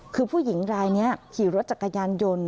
คือผู้หญิงรายนี้ขี่รถจักรยานยนต์